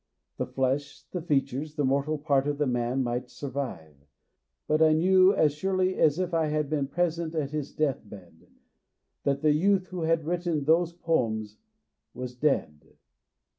The flesh, the features, the mortal part of the man might survive, but I knew as surely as if I had been present at his death bed that the youth who had written those poems was dead.